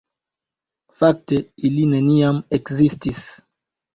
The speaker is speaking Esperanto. Fakte, ili neniam ekzistis.